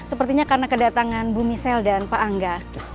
sepertinya karena kedatangan bumi sel dan pak angga